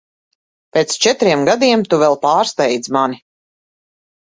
Pēc četriem gadiem tu vēl pārsteidz mani.